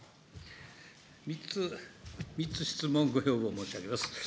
３つ質問ご要望申し上げます。